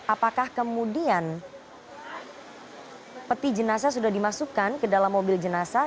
apakah kemudian peti jenazah sudah dimasukkan ke dalam mobil jenazah